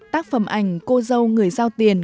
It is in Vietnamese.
tác phẩm ảnh cô dâu người giao tiền